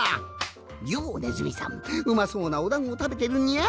「よおネズミさんうまそうなおだんごたべてるにゃあ」。